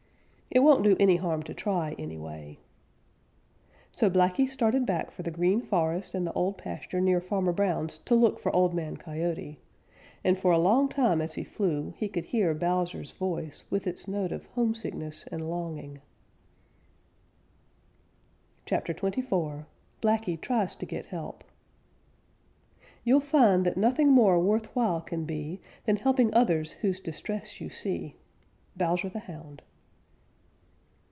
It won't do any harm to try, anyway." So Blacky started back for the Green Forest and the Old Pasture near Farmer Brown's to look for Old Man Coyote, and for a long time as he flew he could hear Bowser's voice with its note of homesickness and longing. CHAPTER XXIV BLACKY TRIES TO GET HELP You'll find that nothing more worth while can be Than helping others whose distress you see. _Bowser the Hound.